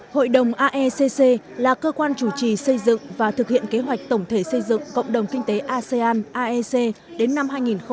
hội đồng aecc là cơ quan chủ trì xây dựng và thực hiện kế hoạch tổng thể xây dựng cộng đồng kinh tế asean aec đến năm hai nghìn hai mươi năm